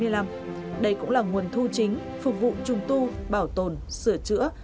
đây cũng là nguồn thu chính phục vụ trùng tu bảo tồn sửa chữa